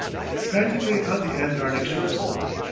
practically on the Antarctic Circle.